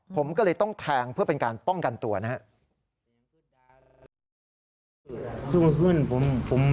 ผมก็เลยต้องแทงเพื่อเป็นการป้องกันตัวนะครับ